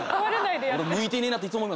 俺向いてねえなって。